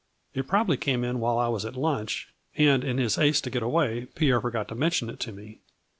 It probably came in while I was at lunch, and, in his haste to get away, Pierre forgot to mention it to me.